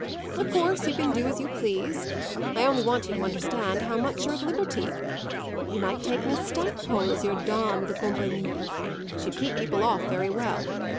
Of course you can do as you please; I only want you to understand how much you're at liberty. You might take Miss Stackpole as your dame de compagnie; she'd keep people off very well.